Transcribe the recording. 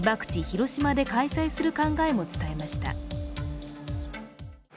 ・広島で開催する考えも伝えました。